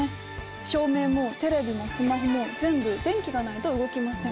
照明もテレビもスマホも全部電気がないと動きません。